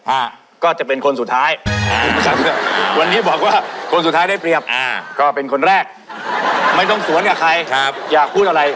โอเคท่ายคนนี้ตลอดเลย